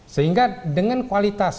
sehingga dengan kualitas